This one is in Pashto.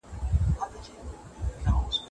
فلسفه به د نورو علمي ډګرونو سره مرسته وکړي.